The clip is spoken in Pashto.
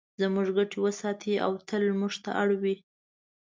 زموږ ګټې وساتي او تل موږ ته اړ وي.